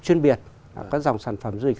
chuyên biệt có dòng sản phẩm du lịch